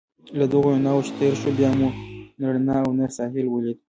له دغو رڼاوو چې تېر شوو، بیا مو نه رڼا او نه ساحل ولید.